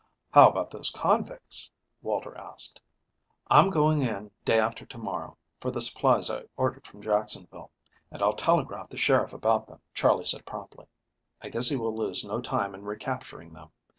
"How about those convicts?" Walter asked. "I'm going in day after to morrow for the supplies I ordered from Jacksonville, and I'll telegraph the sheriff about them," Charley said promptly. "I guess he will lose no time in recapturing them.